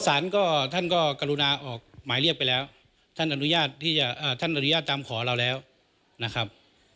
ศาลก็ท่านก็กรุณาออกหมายเรียกไปแล้วท่านอนุญาตตามขอเราแล้วนะครับ